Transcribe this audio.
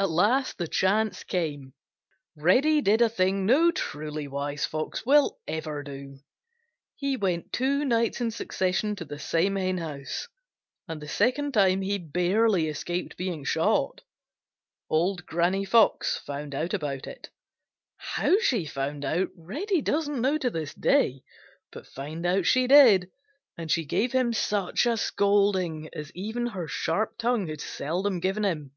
At last the chance came. Reddy did a thing no truly wise Fox ever will do. He went two nights in succession to the same henhouse, and the second time he barely escaped being shot. Old Granny Fox found out about it. How she found out Reddy doesn't know to this day, but find out she did, and she gave him such a scolding as even her sharp tongue had seldom given him.